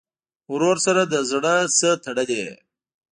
ورور سره د زړه نه تړلې یې.